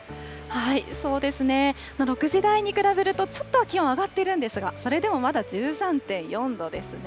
６時台に比べるとちょっとは気温、上がっているんですが、それでもまだ１３．４度ですね。